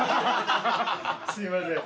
すいません。